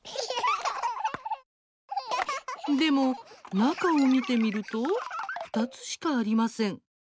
でも、中を見てみると２つしかありません。